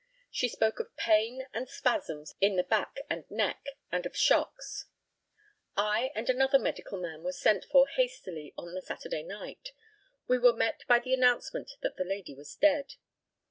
She spoke of pain and spasms in the back and neck, and of shocks. I and another medical man were sent for hastily on the Saturday night. We were met by the announcement that the lady was dead.